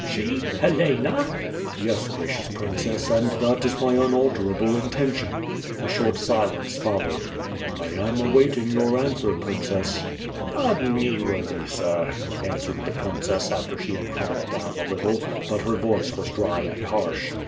she— Helena?" ^^es, gracious Princess, and that is my unalterable inten tion." A short silence followed. "I am awaiting your answer, Princess." "Pardon me, worthy sir," answered the princess, after she had calmed down a little, but her voice was dry and harsh.